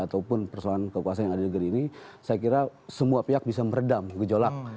ataupun persoalan kekuasaan yang ada di negeri ini saya kira semua pihak bisa meredam gejolak